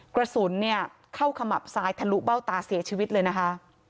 กระสุนเนี่ยเข้าขมับซ้ายทะลุเบ้าตาเสียชีวิตเลยนะคะ